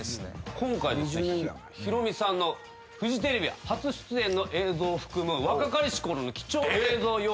今回ですねヒロミさんのフジテレビ初出演の映像を含む若かりしころの貴重な映像を用意しました。